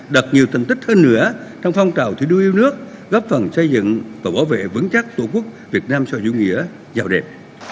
điều thành tích hơn nữa trong phong trào thủy đô yêu nước góp phần xây dựng và bảo vệ vững chắc tổ quốc việt nam so với dũng nghĩa giàu đẹp